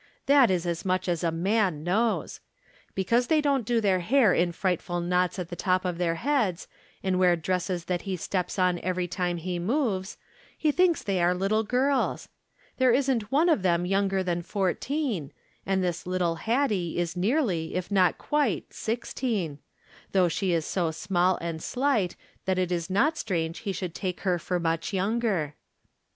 That is as much as a man knows ! Because they don't do their hair in frightful knots on the top of their heads, and wear dresses that he steps on every time he moves, he thinks they are little girls. There isn't one of them younger than fourteen, and this little Hattie is nearly, if not quite, six teen ; though she is so small and slight that it is not strange he should take her for much younger.